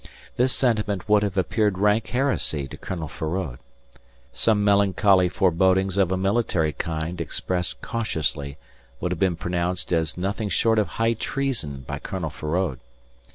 This sentiment would have appeared rank heresy to Colonel Feraud. Some melancholy forebodings of a military kind expressed cautiously would have been pronounced as nothing short of high treason by Colonel Feraud.